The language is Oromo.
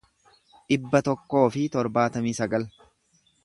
dhibba tokkoo fi torbaatamii sagal